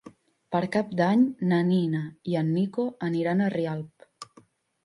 Per Cap d'Any na Nina i en Nico aniran a Rialp.